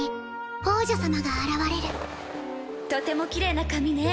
とてもきれいな髪ね。